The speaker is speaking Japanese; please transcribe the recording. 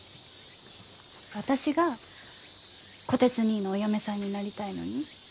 私が虎鉄にいのお嫁さんになりたいのに？